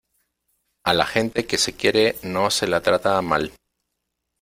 a la gente que se quiere no se la trata mal.